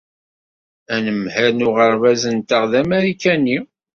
Anemhal n uɣerbaz-nteɣ d amarikani.